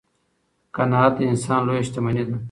قناعت د انسان لویه شتمني ده.